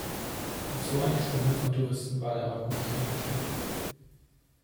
Auf so eine Schwemme von Touristen war der Ort nicht eingestellt.